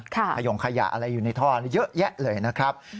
ขยงขยะอะไรอยู่ในท่อนี้เยอะแยะเลยนะครับ